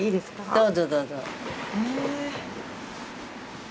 どうぞどうぞ。